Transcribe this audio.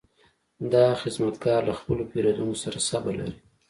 دا خدمتګر له خپلو پیرودونکو سره صبر لري.